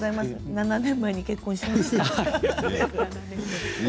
７年前に結婚しました。